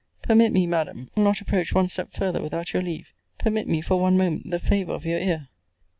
Permit me, Madam I will not approach one step farther without your leave permit me, for one moment, the favour of your ear!